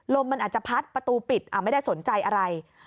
มันอาจจะพัดประตูปิดไม่ได้สนใจอะไร